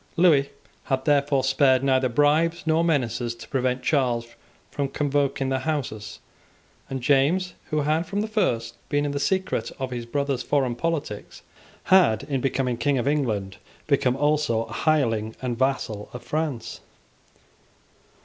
Lewis had therefore spared neither bribes nor menaces to prevent Charles from convoking the Houses; and James, who had from the first been in the secret of his brother's foreign politics, had, in becoming King of England, become also a hireling and vassal of France.